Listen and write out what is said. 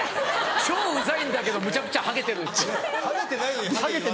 「超うざいんだけどむちゃくちゃハゲてる」って。